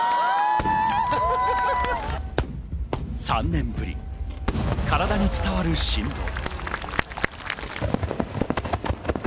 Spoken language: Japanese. ３年ぶり、体に伝わる振動。